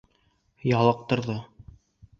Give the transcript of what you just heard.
Ялыҡтырҙы.